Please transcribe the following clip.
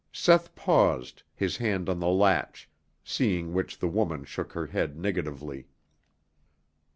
Seth paused, his hand on the latch, seeing which the woman shook her head negatively.